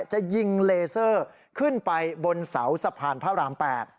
จะยิงเลเซอร์ขึ้นไปบนเสาสะพานพระราม๘